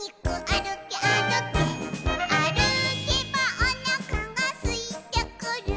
「あるけばおなかがすいてくる」